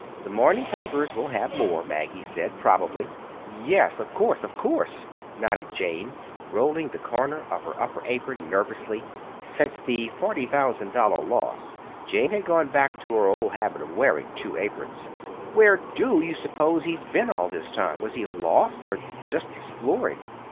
The morning papers will have more, Maggie said, probably." "Yes, of course, of course," nodded Jane, rolling the corner of her upper apron nervously. (Since the forty thousand dollar loss Jane had gone back to her old habit of wearing two aprons.) "Where do you suppose he's been all this time? Was he lost or just exploring?"